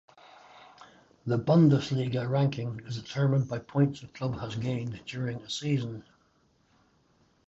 The Bundesliga ranking is determined by points a club has gained during a season.